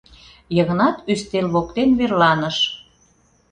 — Йыгнат ӱстел воктен верланыш.